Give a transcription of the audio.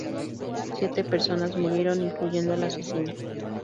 Siete personas murieron, incluyendo al asesino.